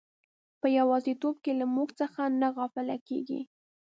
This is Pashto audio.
په یوازیتوب کې له موږ څخه نه غافله کیږي.